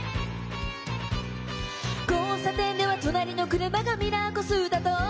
「交差点では隣の車がミラーこすったと」